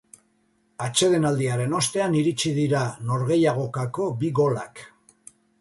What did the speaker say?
Atsedenaldiaren ostean iritsi dira norgehiagokako bi golak.